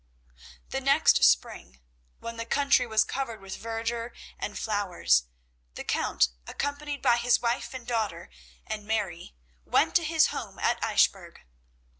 The next spring, when the country was covered with verdure and flowers, the Count, accompanied by his wife, and daughter, and Mary, went to his home at Eichbourg.